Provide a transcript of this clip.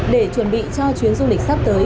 để chuẩn bị cho chuyến du lịch sắp tới